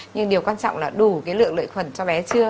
nhưng điều quan trọng là đủ cái lượng lợi khuẩn cho bé chưa